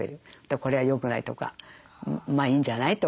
これはよくないとかまあいいんじゃないとか。